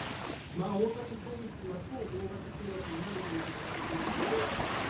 大谷選手は超大型契約になるというふうにいわれているので。